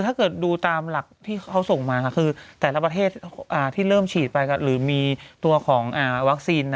ถ้าเกิดดูตามหลักที่เขาส่งมาคือแต่ละประเทศที่เริ่มฉีดไปหรือมีตัวของวัคซีน